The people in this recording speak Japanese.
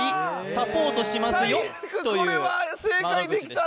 サポートしますよという窓口でした